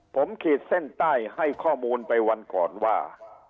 ผมขีดเส้นใต้ให้ข้อมูลไปวันก่อนว่า